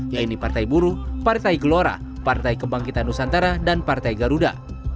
yaitu partai buruh partai gelora partai kebangkitan nusantara dan partai garuda